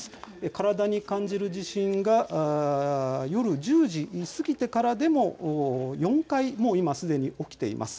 体に感じる地震が夜１０時を過ぎてからでも４回もう今すでに起きています。